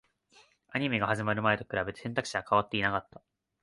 アニメが始まる前と比べて、選択肢は変わっていなかった